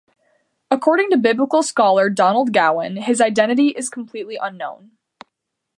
According biblical scholar Donald Gowan, his identity is completely unknown.